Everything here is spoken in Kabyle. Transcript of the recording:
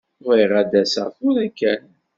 Bɣiɣ ad d-taseḍ tura kan.